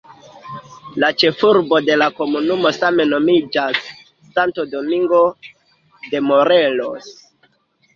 La ĉefurbo de la komunumo same nomiĝas "Santo Domingo de Morelos".